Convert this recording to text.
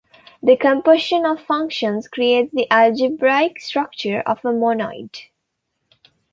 The composition of functions creates the algebraic structure of a monoid.